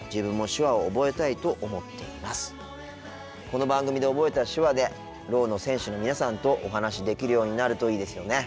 この番組で覚えた手話でろうの選手の皆さんとお話しできるようになるといいですよね。